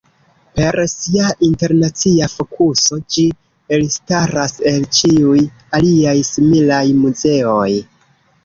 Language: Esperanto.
Per sia internacia fokuso ĝi elstaras el ĉiuj aliaj similaj muzeoj.